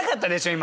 今。